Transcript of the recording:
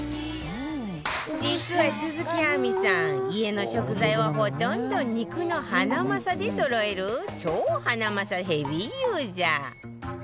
実は、鈴木亜美さん家の食材をほとんど肉のハナマサでそろえる超ハナマサヘビーユーザー。